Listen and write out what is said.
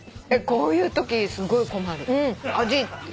こういうときすごい困る。